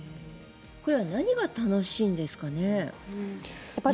何が楽しいんですかね。